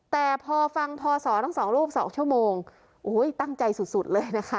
แต่พอฟังพศทั้งสองรูปสองชั่วโมงโอ้โหตั้งใจสุดสุดเลยนะคะ